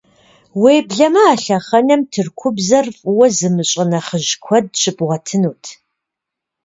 Уеблэмэ а лъэхъэнэм Тыркубзэр фӀыуэ зымыщӀэ нэхъыжь куэд щыбгъуэтынут.